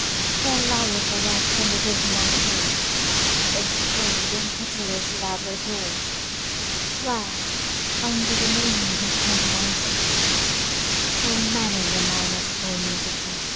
There lieth a wreck on the dismal shore Of cold and pitiless Labrador; Where, under the moon, upon mounts of frost, Full many a mariner's bones are tost.